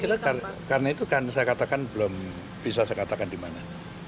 oh iya karena itu saya katakan belum bisa saya katakan di mana